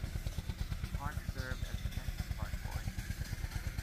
The park served as the testing park for it.